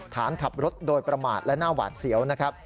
ฐานขับรถโดยประมาทและหน้าหวาดเสียวนะครับ